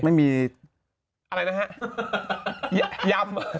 อะไรนะฮะยำ